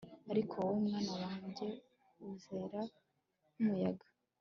Ariko wowe mwana wanjye uzerera nkumuyaga